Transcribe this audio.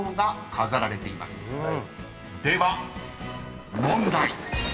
［では問題］